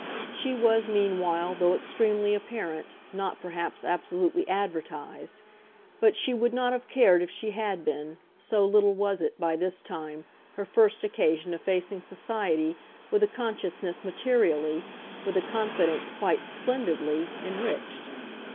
She was meanwhile, though extremely apparent, not perhaps absolutely advertised; but she would not have cared if she had been so little was it, by this time, her first occasion of facing society with a consciousness materially, with a confidence quite splendidly, enriched.